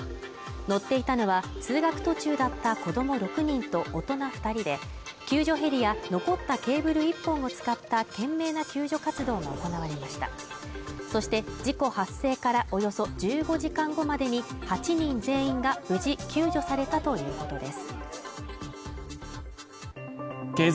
乗っていたのは通学途中だった子ども６人と大人二人で救助ヘリや残ったケーブル１本を使った懸命な救助活動が行われましたそして事故発生からおよそ１５時間後までに８人全員が無事救助されたということです